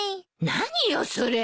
何よそれ。